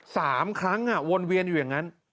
สามครั้งอ่ะวนเวียนอยู่อย่างนั้น